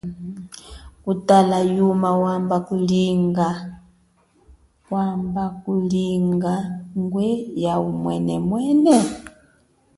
Kutala the, yuma wamba kulinga ya umwenemwene?